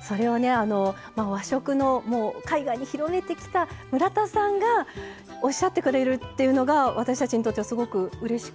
それをね和食のもう海外に広めてきた村田さんがおっしゃってくれるというのが私たちにとってはすごくうれしくて。